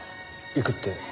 行くって？